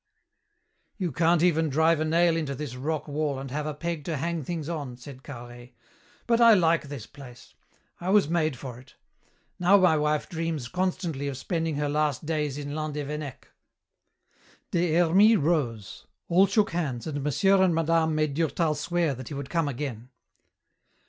"You can't even drive a nail into this rock wall and have a peg to hang things on," said Carhaix. "But I like this place. I was made for it. Now my wife dreams constantly of spending her last days in Landévennec." Des Hermies rose. All shook hands, and monsieur and madame made Durtal swear that he would come again.